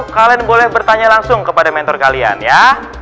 kalian boleh bertanya langsung kepada mentor kalian ya